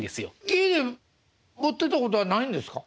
家で持ってたことはないんですか？